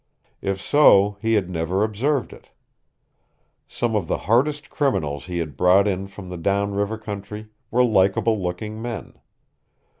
If so, he had never observed it. Some of the hardest criminals he had brought in from the down river country were likable looking men.